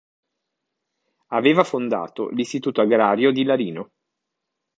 Aveva fondato l'istituto agrario di Larino.